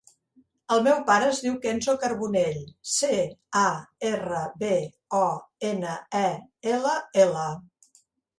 El meu pare es diu Kenzo Carbonell: ce, a, erra, be, o, ena, e, ela, ela.